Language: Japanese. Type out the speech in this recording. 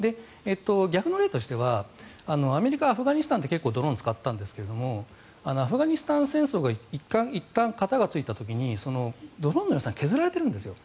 逆の例としてはアメリカはアフガニスタンでドローンを使ったんですがアフガニスタン戦争が１回、片がついた時にドローンの予算を削られているんです。